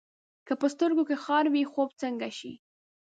که په سترګو کې خار وي، خوب څنګه شي؟